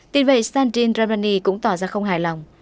tuy vậy sandin romani cũng tỏ ra không hài lòng